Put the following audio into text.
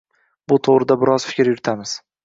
Bu to‘g‘rida biroz fikr yuritamiz.